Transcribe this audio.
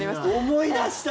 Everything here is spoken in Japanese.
思い出した！